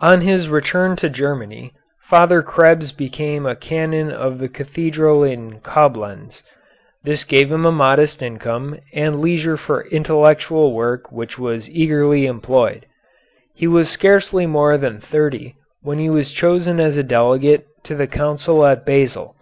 On his return to Germany, Father Krebs became canon of the cathedral in Coblenz. This gave him a modest income, and leisure for intellectual work which was eagerly employed. He was scarcely more than thirty when he was chosen as a delegate to the Council at Basel.